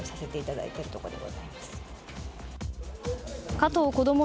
加藤こども